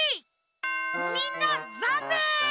みんなざんねん！